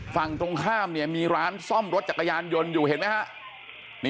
ฝั่งตรงข้ามเนี่ยมีร้านซ่อมรถจักรยานยนต์อยู่เห็นไหมฮะ